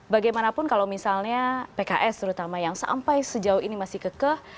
bagaimanapun kalau misalnya pks terutama yang sampai sejauh ini masih kekeh